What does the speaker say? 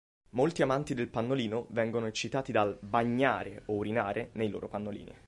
Molti amanti del pannolino vengono eccitati dal "bagnare" o urinare nei loro pannolini.